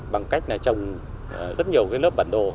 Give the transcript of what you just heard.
bằng cách trồng rất nhiều lớp bản đồ